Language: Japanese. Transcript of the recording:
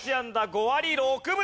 ５割６分！？